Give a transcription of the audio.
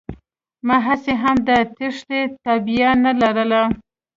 ما هسې هم د تېښتې تابيا نه لرله.